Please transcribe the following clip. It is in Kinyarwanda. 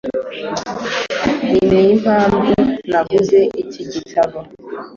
Ninimpamvu naguze iki gitabo.